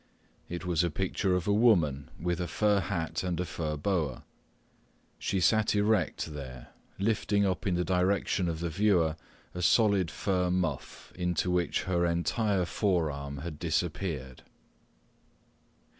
It was a picture of a woman with a fur hat and a fur boa. She sat erect there, lifting up in the direction of the viewer a solid fur muff into which her entire forearm had disappeared.